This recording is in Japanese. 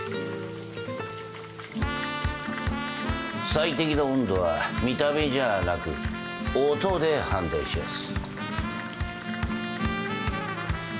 最適な温度は見た目じゃなく音で判断しやす。